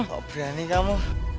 kalau berani kamu